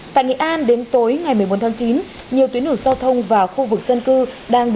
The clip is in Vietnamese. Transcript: tại nghệ an đến tối ngày một mươi bốn tháng chín nhiều tuyến đường giao thông vào khu vực dân